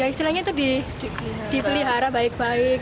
terus isilahnya itu dipelihara baik baik